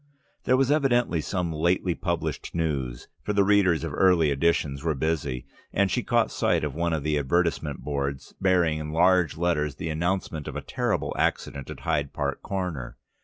There was evidently some lately published news, for the readers of early editions were busy, and she caught sight of one of the advertisement boards bearing in large letters the announcement of a terrible accident at Hyde Park Corner.